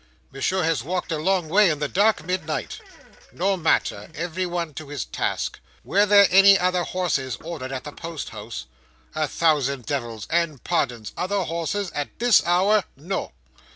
"Monsieur has walked a long way in the dark midnight." "No matter. Everyone to his task. Were there any other horses ordered at the Post house?" "A thousand devils!—and pardons! other horses? at this hour? No."